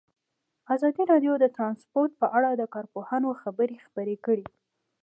ازادي راډیو د ترانسپورټ په اړه د کارپوهانو خبرې خپرې کړي.